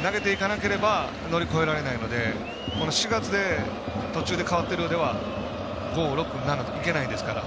投げていかなければ乗り越えられないのでこの４月で途中で代わってるようでは５、６、７といけないですから。